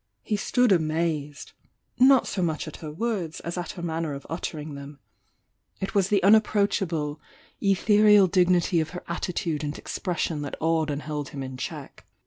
He stood amazed, — not so much at her words as at her manner of uttering them. It was the unap ^iil THE YOUNG DIANA 821 not proachable, ethereal dignity of her attitude and expression that awed and held him in check.